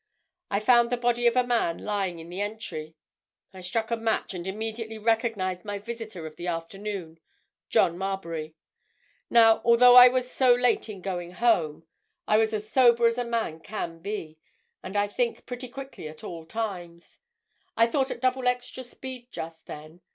I found the body of a man lying in the entry. I struck a match and immediately recognized my visitor of the afternoon—John Marbury. Now, although I was so late in going home, I was as sober as a man can be, and I think pretty quickly at all times. I thought at double extra speed just then.